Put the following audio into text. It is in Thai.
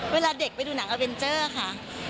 เวลาเด็กไปดูหนังอเวนเจอร์ค่ะ